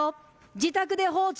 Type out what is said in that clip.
自宅で放置。